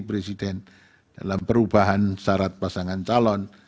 presiden dalam perubahan syarat pasangan calon